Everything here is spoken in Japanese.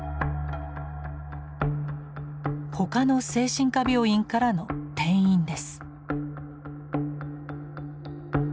他の精神科病院からの転院です。